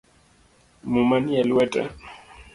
Muma nie lwete